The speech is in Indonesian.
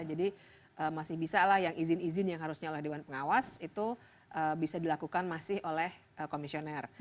jadi masih bisa lah yang izin izin yang harusnya oleh dewan pengawas itu bisa dilakukan masih oleh komisioner